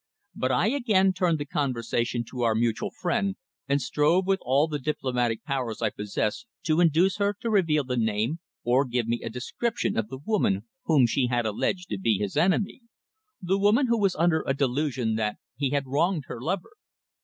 But I again turned the conversation to our mutual friend, and strove with all the diplomatic powers I possessed to induce her to reveal the name or give me a description of the woman whom she had alleged to be his enemy the woman who was under a delusion that he had wronged her lover.